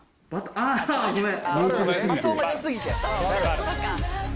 あ、ごめん。